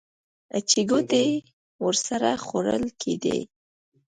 چې ګوتې ورسره خوړل کېدې.